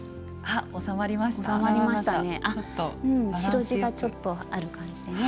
白地がちょっとある感じでね